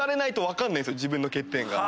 自分の欠点が。